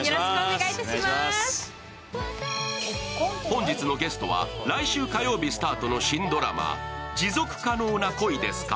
本日のゲストは来週火曜日スタートの新ドラマ、「持続可能な恋ですか？